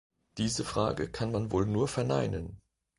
Diese Frage kann man wohl nur verneinen!